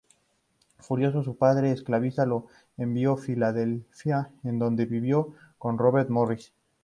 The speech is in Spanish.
Furioso, su padre esclavista lo envió a Filadelfia, en donde vivió con Robert Morris.